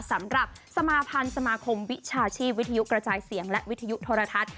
สำหรับสมาพันธ์สมาคมวิชาชีพวิทยุกระจายเสียงและวิทยุโทรทัศน์